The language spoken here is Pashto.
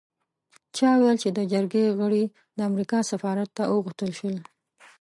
چا ویل چې د جرګې غړي د امریکا سفارت ته وغوښتل شول.